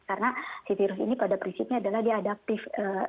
karena si virus ini pada prinsipnya adalah dia adaptif